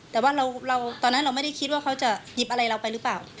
แต่ว่าตอนนั้นเราไม่ได้คิดว่าเขาจะหยิบอะไรเราไปหรือเปล่า